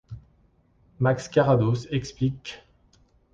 Max Carrados explique qu'.